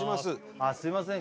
あっすいません